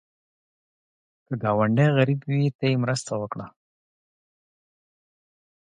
که ګاونډی غریب وي، ته یې مرسته وکړه